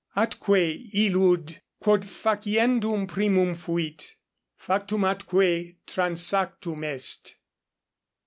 Atque illud, quod faciendum primum fuit, factum atque transactum est.